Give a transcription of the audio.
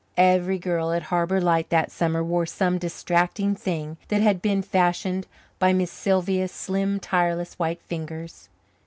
Every girl at Harbour Light that summer wore some distracting thing that had been fashioned by Miss Sylvia's slim, tireless, white fingers.